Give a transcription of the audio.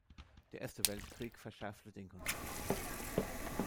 Der Erste Weltkrieg verschärfte den Konflikt.